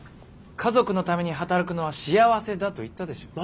家族のために働くのは幸せだと言ったでしょう。